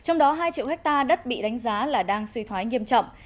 trong đó hai triệu hectare đất bị đánh giá là đang suy thoái nghiêm trọng